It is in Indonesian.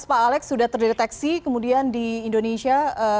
pak alex sudah terdeteksi kemudian di indonesia